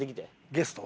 ゲスト？